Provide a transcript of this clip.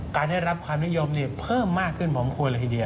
การได้รับความนิยมเนี่ยเพิ่มมากขึ้นมองควรเลยเดียว